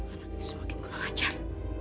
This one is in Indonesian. anaknya semakin kurang ajar